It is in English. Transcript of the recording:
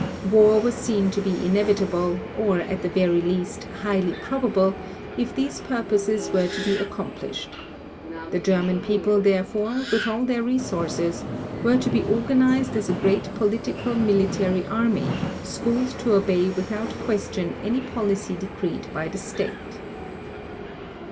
War was seen to be inevitable, or at the very least, highly probable, if these purposes were to be accomplished. The German People, therefore, with all their resources, were to be organized as a great political military army, schooled to obey without question any policy decreed by the State.